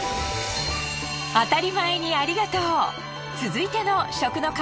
あたりまえにありがとう。